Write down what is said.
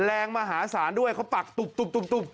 แรงมหาศาลด้วยเขาปักตุบตุบตุบตุบ